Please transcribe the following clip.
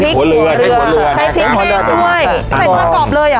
พริกหัวเรือกับข้าวยิก